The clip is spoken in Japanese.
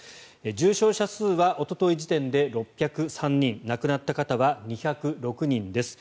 重症者数はおととい時点で６０３人亡くなった方は２０６人です。